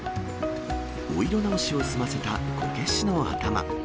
お色直しを済ませたこけしの頭。